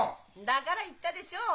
だから言ったでしょう。